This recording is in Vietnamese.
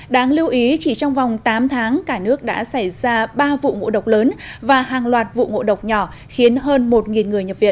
đáng lưu ý chỉ trong vòng tám tháng cả nước đã xảy ra ba vụ ngộ độc lớn và hàng loạt vụ ngộ độc nhỏ khiến hơn một người nhập viện